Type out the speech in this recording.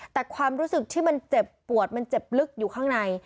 แต่ความรู้สึกที่มันเจ็บปวดมันเจ็บลึกอยู่ข้างใน